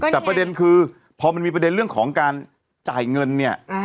แต่ประเด็นคือพอมันมีประเด็นเรื่องของการจ่ายเงินเนี่ย